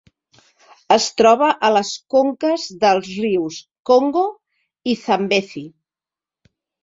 Es troba a les conques dels rius Congo i Zambezi.